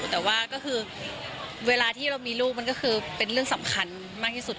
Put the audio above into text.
แต่ว่าก็คือเวลาที่เรามีลูกมันก็คือเป็นเรื่องสำคัญมากที่สุด